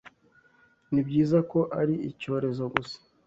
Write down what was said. Nibyiza ko ari icyorezo gusa